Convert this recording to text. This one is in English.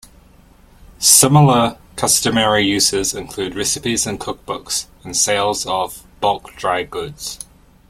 Similar customary uses include recipes in cookbooks and sales of bulk dry goods.